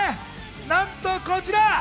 なんとこちら！